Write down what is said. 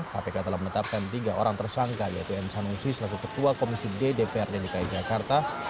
kpk telah menetapkan tiga orang tersangka yaitu m sanusi selaku ketua komisi ddprd dki jakarta